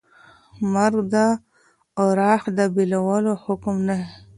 مرګ د ارواح د بېلولو حکم دی.